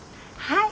はい。